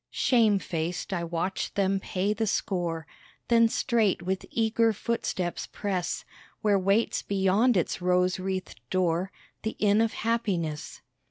Shame faced I watch them pay the score, Then straight with eager footsteps press Where waits beyond its rose wreathed door The Inn of Happiness.